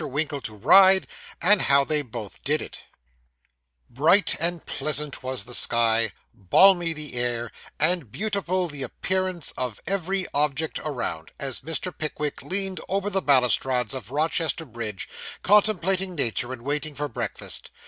WINKLE TO RIDE, AND HOW THEY BOTH DID IT Bright and pleasant was the sky, balmy the air, and beautiful the appearance of every object around, as Mr. Pickwick leaned over the balustrades of Rochester Bridge, contemplating nature, and waiting for breakfast.